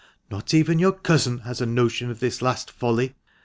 Not even your cousin has a notion of this last folly.